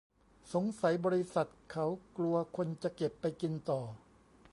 สงสัยบริษัทเขากลัวคนจะเก็บไปกินต่อ